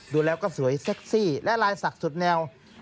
ดูแล้วก็สวยเซ็กซี่และลายศักดิ์สุดแนว